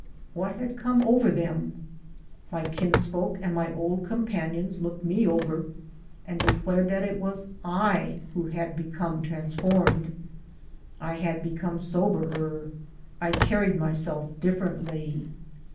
What had come over them? My kinsfolk and my old companions looked me over and declared that it was I who had become transformed. I had become soberer. I carried myself differently.